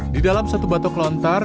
di dalam satu batok lontar